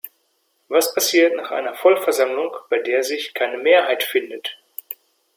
Was passiert nach einer Vollversammlung, bei der sich keine Mehrheit findet?